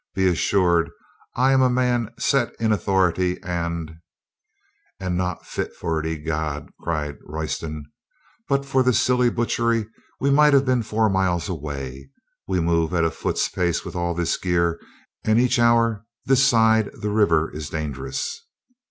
Be assured I am a man set in authority and —" "And not fit for it, i'gad," cried Royston. "But for this silly butchery we might have been four miles away. We move at a foot's pace with all this gear and each hour this side the river is dangerous."